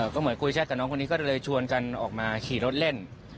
ก็เหมือนคุยแชทกับน้องคนนี้ก็เลยชวนกันออกมาขี่รถเล่น